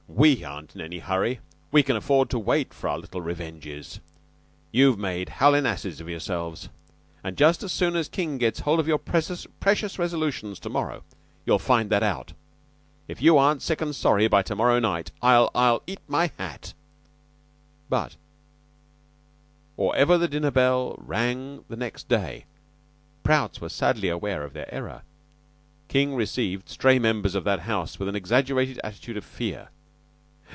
We aren't in any hurry. We can afford to wait for our little revenges. You've made howlin' asses of yourselves, and just as soon as King gets hold of your precious resolutions to morrow you'll find that out. If you aren't sick an' sorry by to morrow night, I'll I'll eat my hat." But or ever the dinner bell rang the next day Prout's were sadly aware of their error. King received stray members of that house with an exaggerated attitude of fear.